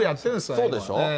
そうでしょ？